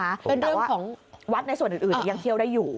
แต่ว่าวัดในส่วนอื่นยังเที่ยวได้อยู่